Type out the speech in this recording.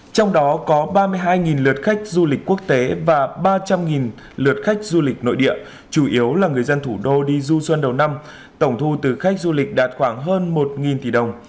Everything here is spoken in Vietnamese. trong đó có ba mươi hai lượt khách du lịch quốc tế và ba trăm linh lượt khách du lịch nội địa chủ yếu là người dân thủ đô đi du xuân đầu năm tổng thu từ khách du lịch đạt khoảng hơn một tỷ đồng